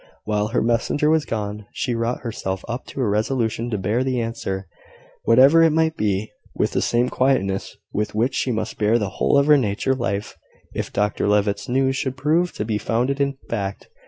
While her messenger was gone, she wrought herself up to a resolution to bear the answer, whatever it might be, with the same quietness with which she must bear the whole of her future life, if Dr Levitt's news should prove to be founded in fact.